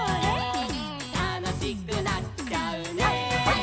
「たのしくなっちゃうね」